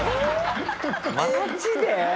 マジで？